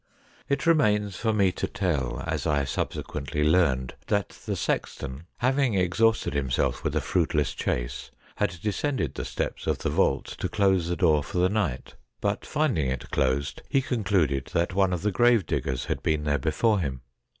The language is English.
It remains for me to tell, as I subsequently learned, that the sexton, having exhausted himself with a fruitless chase, had descended the steps of the vault to close the door for the night, but, finding it closed, he concluded that one of the grave diggers had been there before him.